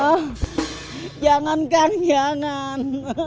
oh jangan kang jangan